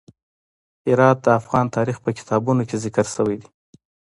هرات د افغان تاریخ په کتابونو کې ذکر شوی دي.